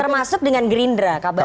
termasuk dengan gerindra kabarnya